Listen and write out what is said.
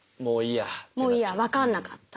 「もういいや分かんなかった」